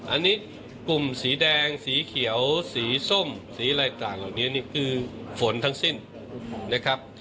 อันนี้กลุ่มสีแดงสีเขียวสีส้มสีอะไรต่างเหล่านี้นี่คือฝนทั้งสิ้นนะครับ